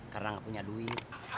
karena nggak punya duit